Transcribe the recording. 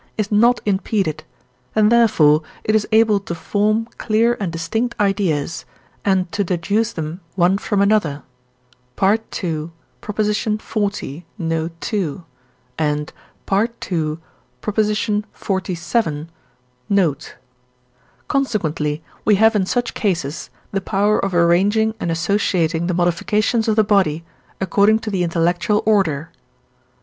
is not impeded, and therefore it is able to form clear and distinct ideas and to deduce them one from another (II. xl. note. ii. and II. xlvii. note); consequently we have in such cases the power of arranging and associating the modifications of the body according to the intellectual order.